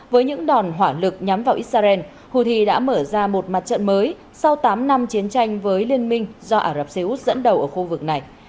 với những đòn hỏa lực nhắm vào israel houthi đã mở ra một mặt trận mới sau tám năm chiến tranh với liên minh do ả rập xê út dẫn đầu ở khu vực này